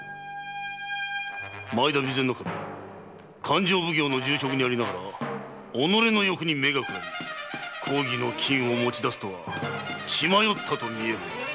勘定奉行の重職にありながら己の欲に目が眩み公儀の金を持ち出すとは血迷ったと見えるな。